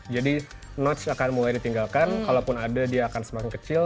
jadi notch akan mulai ditinggalkan walaupun ada dia akan semakin kecil